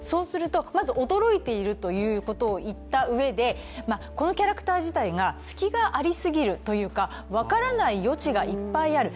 まず驚いているということを言ったうえでこのキャラクター自体が隙がありすぎるというか、分からない余地がいっぱいある。